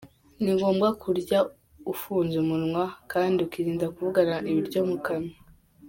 Ni ngombwa kurya ufunze umunwa kandi ukirinda kuvugana ibiryo mu kanwa;.